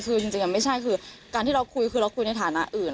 คือจริงยังไม่ใช่คือการที่เราคุยคือเราคุยในฐานะอื่น